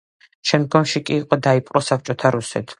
შემდგომში კი იგი დაიპყრო საბჭოთა რუსეთმა.